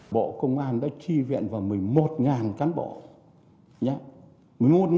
bộ công an đã tri viện vào một mươi một cán bộ